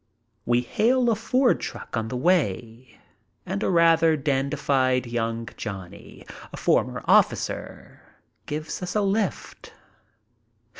We hail a Ford truck on the way and a rather dandified young Johnny, a former officer, gives us a lift.